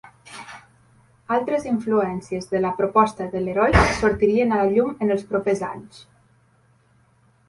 Altres influències de la proposta de LeRoy sortirien a la llum en els propers anys.